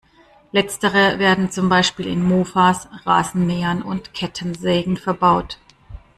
Letztere werden zum Beispiel in Mofas, Rasenmähern und Kettensägen verbaut.